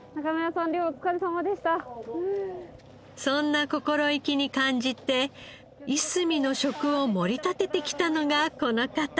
そんな心意気に感じていすみの食をもり立ててきたのがこの方。